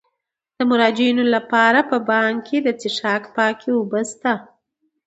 د مراجعینو لپاره په بانک کې د څښاک پاکې اوبه شته.